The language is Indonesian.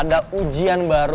lo nya itu udahusa taro